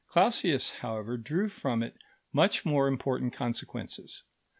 Clausius, however, drew from it much more important consequences.